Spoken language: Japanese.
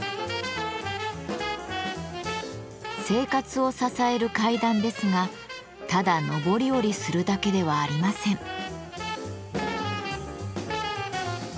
生活を支える階段ですがただ上り下りするだけではありません。